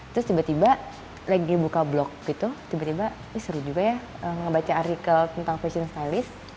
terus tiba tiba lagi buka blok gitu tiba tiba seru juga ya ngebaca artikel tentang fashion stylist